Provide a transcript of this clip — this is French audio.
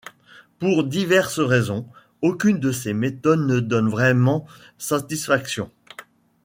Pour diverses raisons, aucune de ces méthodes ne donne vraiment satisfaction.